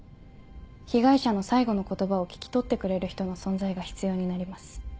被害者の最後の言葉を聞き取ってくれる人の存在が必要になります。